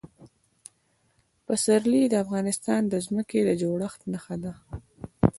پسرلی د افغانستان د ځمکې د جوړښت نښه ده.